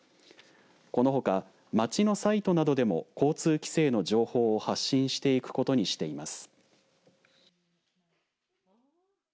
このほか、町のサイトなどでも交通規制の情報を発信していくことにしています。